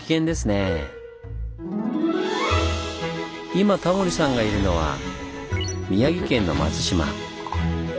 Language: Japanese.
今タモリさんがいるのは宮城県の松島。